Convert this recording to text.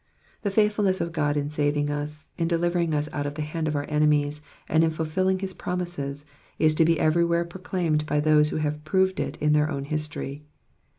The faithfulness of God in saving us, in delivering us out of the hand of our enemies, and in fulfilling his promises, is to be everywhere proclaimed by those who have proved it in their own history.